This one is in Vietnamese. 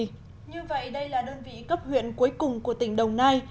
như vậy đây là đơn vị cấp huyện cuối cùng của tỉnh đồng nai